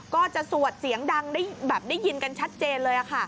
ก็จะสวดเสียงดังได้แบบได้ยินกันชัดเจนเลย